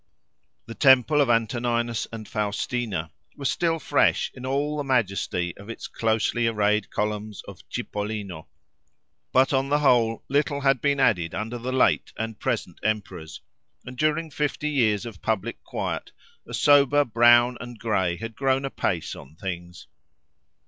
The temple of Antoninus and Faustina was still fresh in all the majesty of its closely arrayed columns of cipollino; but, on the whole, little had been added under the late and present emperors, and during fifty years of public quiet, a sober brown and gray had grown apace on things.